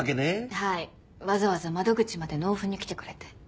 はいわざわざ窓口まで納付に来てくれて。